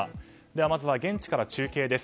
まず現地から中継です。